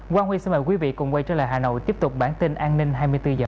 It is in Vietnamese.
quang huy xin mời quý vị cùng quay trở lại hà nội tiếp tục bản tin an ninh hai mươi bốn h